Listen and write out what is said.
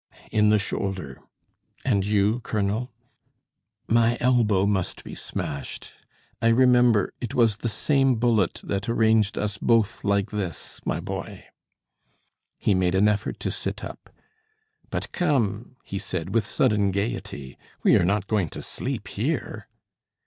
"In the shoulder and you, colonel?" "My elbow must be smashed. I remember; it was the same bullet that arranged us both like this, my boy." He made an effort to sit up. "But come," he said with sudden gaiety, "we are not going to sleep here?"